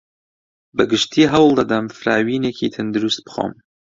بەگشتی هەوڵدەدەم فراوینێکی تەندروست بخۆم.